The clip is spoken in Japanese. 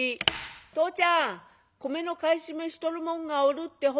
「父ちゃん米の買い占めしとる者がおるって本当かいや？」。